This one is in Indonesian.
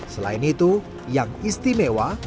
selain itu yang istimewa